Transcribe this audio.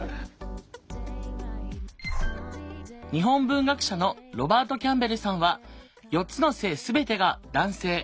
日本文学者のロバートキャンベルさんは４つの性全てが「男性」。